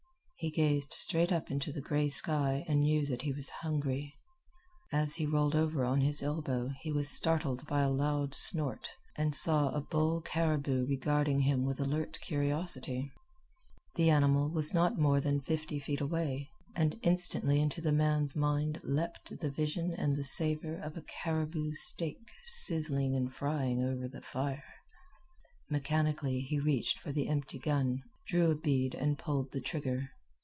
He gazed straight up into the gray sky and knew that he was hungry. As he rolled over on his elbow he was startled by a loud snort, and saw a bull caribou regarding him with alert curiosity. The animal was not mere than fifty feet away, and instantly into the man's mind leaped the vision and the savor of a caribou steak sizzling and frying over a fire. Mechanically he reached for the empty gun, drew a bead, and pulled the trigger.